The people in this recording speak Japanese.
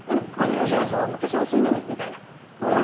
化粧水のみみたいな。